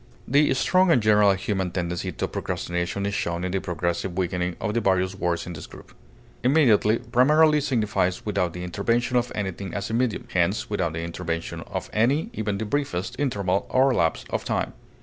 The strong and general human tendency to procrastination is shown in the progressive weakening of the various words in this group. Immediately primarily signifies without the intervention of anything as a medium, hence without the intervention of any, even the briefest, interval or lapse of time.